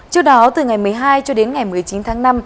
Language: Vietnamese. trước đó từ ngày một mươi hai cho đến ngày một mươi chín tháng năm